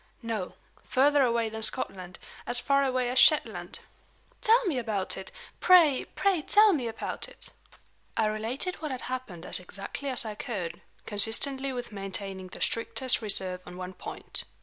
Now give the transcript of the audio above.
"No. Further away than Scotland as far away as Shetland." "Tell me about it! Pray, pray tell me about it!" I related what had happened as exactly as I could, consistently with maintaining the strictest reserve on one point.